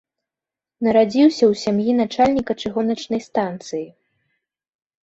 Нарадзіўся ў сям'і начальніка чыгуначнай станцыі.